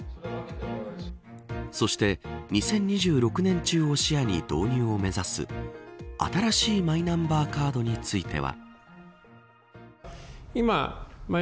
そして、２０２６年中を視野に導入を目指す新しいマイナンバーカードについては。